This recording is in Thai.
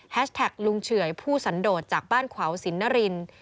แท็กลุงเฉื่อยผู้สันโดดจากบ้านขวาวสินนริน